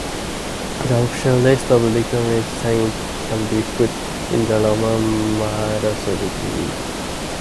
The official list of recognized saints can be found in the Roman Martyrology.